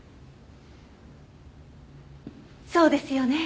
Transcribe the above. そうですよね？